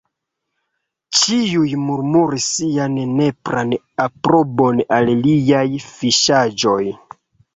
Ĉiuj murmuris sian nepran aprobon al liaj fiŝaĵoj.